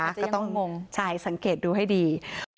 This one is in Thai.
อาจจะยังงงใช่สังเกตดูให้ดี